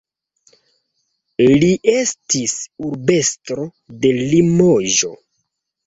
Li estis urbestro de Limoĝo.